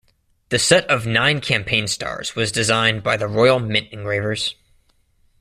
The set of nine campaign stars was designed by the Royal Mint engravers.